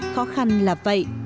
khó khăn là vậy